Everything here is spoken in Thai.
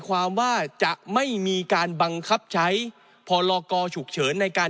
ความว่าจะไม่มีการบังคับใช้พรกรฉุกเฉินในการ